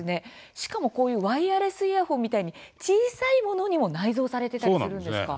しかもワイヤレスイヤホンのように小さいものにも内蔵されていたりするんですか。